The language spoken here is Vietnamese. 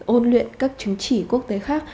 ôn luyện các chứng chỉ quốc tế khác